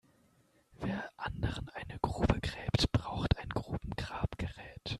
Wer anderen eine Grube gräbt, braucht ein Grubengrabgerät.